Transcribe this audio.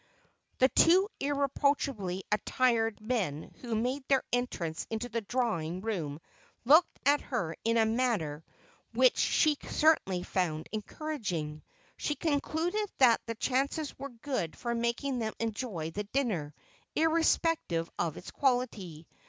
The two irreproachably attired men who made their entrance into the drawing room looked at her in a manner which she certainly found encouraging. She concluded that the chances were good for making them enjoy the dinner, irrespective of its quality.